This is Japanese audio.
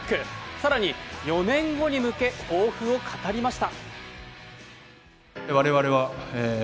更に、４年後に向け抱負を語りました。